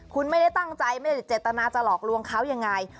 คุณไม่ได้ตั้งใจไม่ได้เจตนาจะหลอกลวงเขายังไง